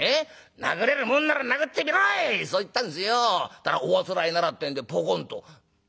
ったらおあつらえならってんでポコンと」。